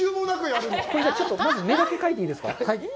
まず目だけ描いていいですか？